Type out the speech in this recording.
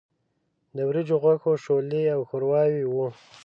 د وریجو، غوښو، شولې او ښورواوې وو.